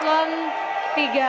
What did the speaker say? tidak ada yang bisa mencari